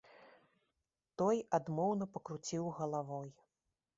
Той адмоўна пакруціў галавой.